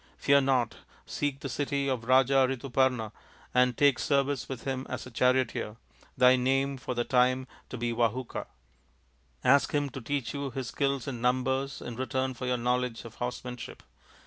Fear not ; seek the city of the Raja Rituparna and take service with him as a charioteer thy name for the time to be Vahuka. Ask him to teach you his skill in numbers in return for your knowledge of horsemanship.